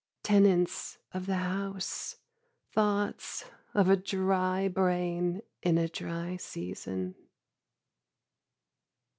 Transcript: Tenants of the house, Thoughts of a dry brain in a dry season.